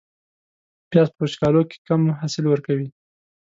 پیاز په وچکالو کې کم حاصل ورکوي